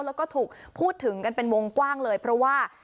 แล้วก็ถูกพูดถึงกันเป็นวงกว้างเลยเพราะว่า